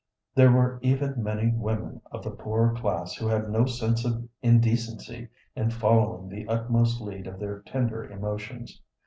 There were even many women of the poorer class who had no sense of indecency in following the utmost lead of their tender emotions.